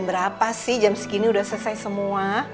berapa sih jam segini udah selesai semua